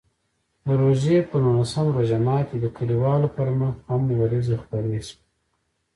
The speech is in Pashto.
د روژې په نولسم روژه ماتي د کلیوالو پر مخ غم وریځې خپرې شوې.